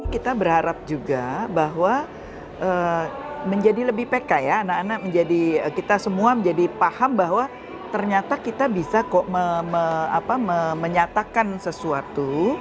kita berharap juga bahwa menjadi lebih pk ya anak anak menjadi kita semua menjadi paham bahwa ternyata kita bisa kok menyatakan sesuatu